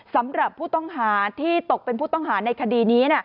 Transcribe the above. สำหรับผู้ต้องหาที่ตกเป็นผู้ต้องหาในคดีนี้